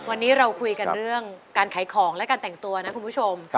วันนี้เราคุยกันเรื่องการขายของและการแต่งตัวนะคุณผู้ชม